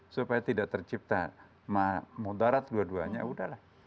supaya tidak tercipta mudarat dua duanya udah lah